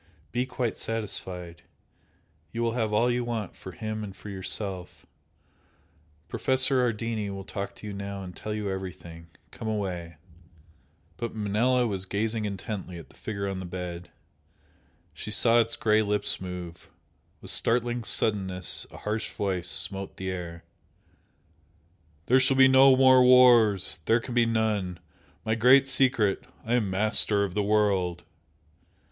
Be quite satisfied! You will have all you want for him and for yourself. Professor Ardini will talk to you now and tell you everything come away " But Manella was gazing intently at the figure on the bed she saw its grey lips move. With startling suddenness a harsh voice smote the air "There shall be no more wars! There can be none! My Great Secret! I am Master of the World!"